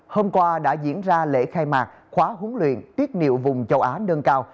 hôm qua đã diễn ra lễ khai mạc khóa huấn luyện tiết niệu vùng châu á nâng cao